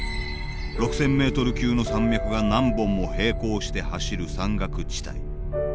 ６０００メートル級の山脈が何本も平行して走る山岳地帯。